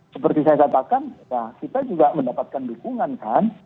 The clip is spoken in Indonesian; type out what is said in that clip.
seperti saya katakan ya kita juga mendapatkan dukungan kan